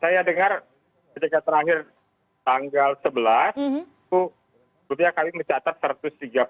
saya dengar ketika terakhir tanggal sebelas kemudian kami mencatat satu ratus tiga puluh satu